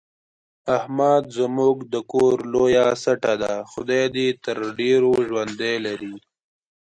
احمد زموږ د کور لویه سټه ده، خدای دې تر ډېرو ژوندی لري.